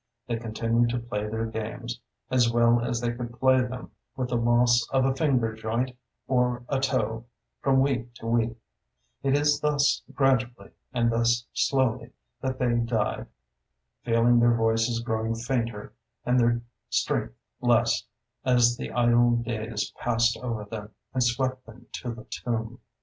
They continued to play their games, as well as they could play them with the loss of a finger joint or a toe, from week to week: it is thus gradually and thus slowly that they died, feeling their voices growing fainter and their strength less, as the idle days passed over them and swept them to the tomb.